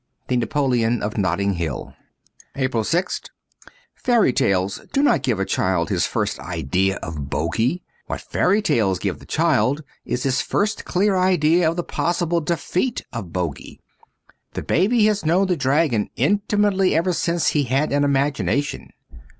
*The Napoleon of Notting Hill! 105 APRIL 6th t; ^ FAIRY TALES do not give a child his first idea of bogy. What fairy tales give the child is his first clear idea of the possible defeat of bogy. The baby has known the dragon intimately ever since he had an imagination.